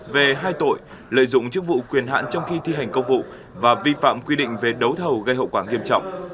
về hai tội lợi dụng chức vụ quyền hạn trong khi thi hành công vụ và vi phạm quy định về đấu thầu gây hậu quả nghiêm trọng